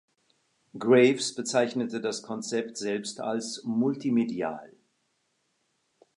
Graves bezeichnete das Konzept selbst als „multimedial“.